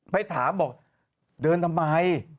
ไปถามบอกเดินทำไม